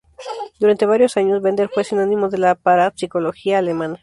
Durante varios años, Bender fue sinónimo de la parapsicología alemana.